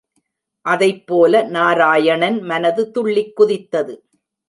அதைப்போல நாராயணன் மனது துள்ளிக் குதித்தது.